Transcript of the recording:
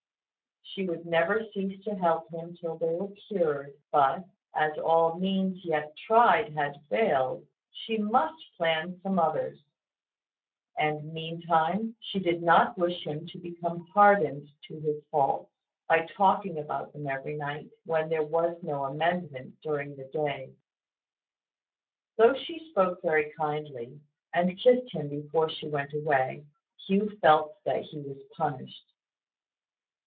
She would never cease to help him till they were cured: but, as all means yet tried had failed, she must plan some others; and meantime she did not wish him to become hardened to his faults, by talking about them every night, when there was no amendment during the day. Though she spoke very kindly, and kissed him before she went away, Hugh felt that he was punished.